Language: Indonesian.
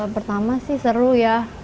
pertama sih seru ya